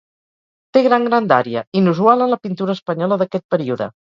Té gran grandària, inusual en la pintura espanyola d'aquest període.